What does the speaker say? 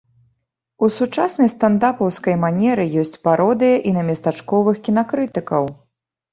У сучаснай стандапаўскай манеры ёсць пародыя і на местачковых кінакрытыкаў.